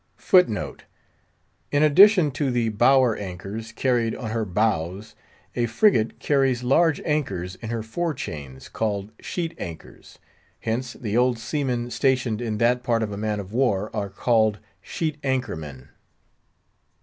In addition to the Bower anchors carried on her bows, a frigate carries large anchors in her fore chains, called Sheet anchors. Hence, the old seamen stationed in that part of a man of war are called sheet anchor man.